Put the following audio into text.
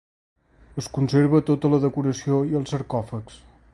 Es conserva tota la seva decoració i els sarcòfags.